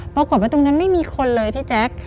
ปรากฏว่าตรงนั้นไม่มีคนเลยพี่แจ๊ค